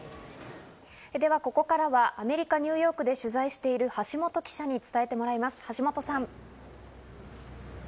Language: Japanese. ここからはアメリカ・ニューヨークで取材している橋本記者に伝えてもらいます、橋本さん。